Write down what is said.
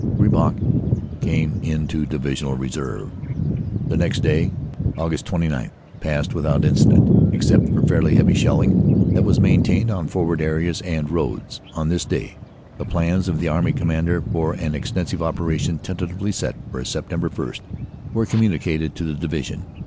Griesbach, came into Divisional Reserve. "The next day, Aug. 29, passed without incident, except for fairly heavy shelling that was maintained on forward areas and roads. On this day the plans of the Army Commander for an extensive operation tentatively set for Sept. 1, were communi cated to the Division.